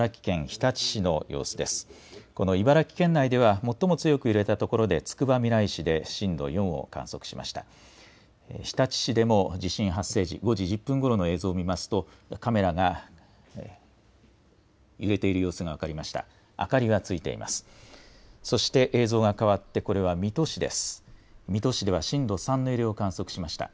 日立市でも地震発生時、５時１０分ごろの映像を見ますと、カメラが揺れている様子が分かりました。